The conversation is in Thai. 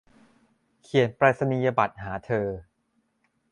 เขียนไปรษณียบัตรหาเธอ